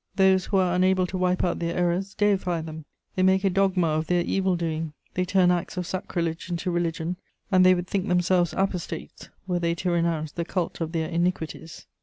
Those who are unable to wipe out their errors deify them: they make a dogma of their evil doing, they turn acts of sacrilege into religion, and they would think themselves apostates were they to renounce the cult of their iniquities.